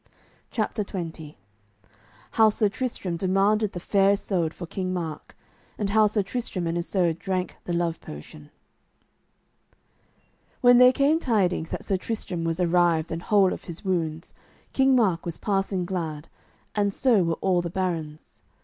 CHAPTER XX HOW SIR TRISTRAM DEMANDED THE FAIR ISOUD FOR KING MARK, AND HOW SIR TRISTRAM AND ISOUD DRANK THE LOVE POTION When there came tidings that Sir Tristram was arrived and whole of his wounds, King Mark was passing glad, and so were all the barons.